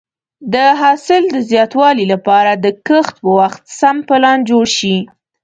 د حاصل د زیاتوالي لپاره د کښت په وخت سم پلان جوړ شي.